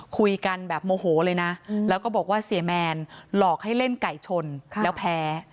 คุยกันแบบโมโหเลยนะแล้วก็บอกว่าเสียแมนหลอกให้เล่นไก่ชนแล้วแพ้